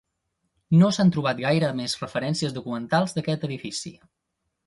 No s'han trobat gaires més referències documentals d'aquest edifici.